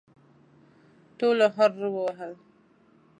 ټولو هررر وهل.